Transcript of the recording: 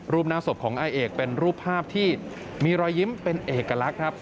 หน้าศพของอาเอกเป็นรูปภาพที่มีรอยยิ้มเป็นเอกลักษณ์ครับ